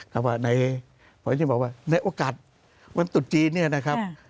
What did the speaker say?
แต่ว่าผมยังบอกว่าในโอกาสวันตุดจีนเนี่ยนะครับ